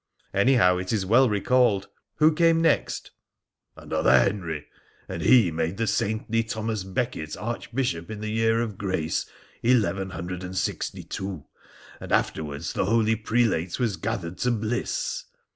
' Anyhow, it is well recalled. Who came next ?'' Another Henry, and he made the saintly Thomas Becket Archbishop in the year of Grace 1162, and afterwards the holy prelate was gathered to bliss.'